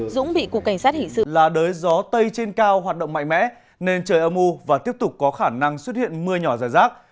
dũng bị cục cảnh sát hình sự là đới gió tây trên cao hoạt động mạnh mẽ nên trời âm u và tiếp tục có khả năng xuất hiện mưa nhỏ dài rác